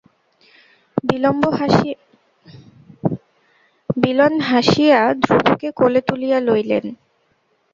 বিল্বন হাসিয়া ধ্রুবকে কোলে তুলিয়া লইলেন।